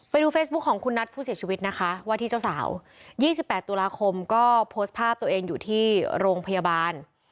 ไปดูเฟซบุ๊คของคุณนัทผู้เสียชีวิตนะคะว่าที่เจ้าสาว๒๘ตุลาคมก็โพสต์ภาพตัวเองอยู่ที่โรงพยาบาล